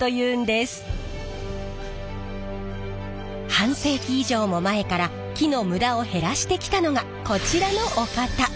半世紀以上も前から木のムダを減らしてきたのがこちらのお方。